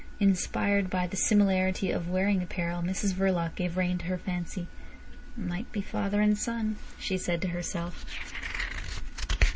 Inspired by the similarity of wearing apparel, Mrs Verloc gave rein to her fancy. "Might be father and son," she said to herself.